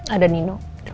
aku mau tidur